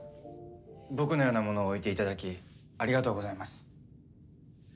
僕のような者を置いて頂きありがとうございます。